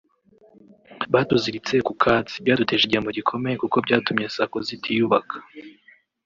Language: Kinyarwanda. Batuziritse ku katsi […] Byaduteje igihombo gikomeye kuko byatumye Sacco zitiyubaka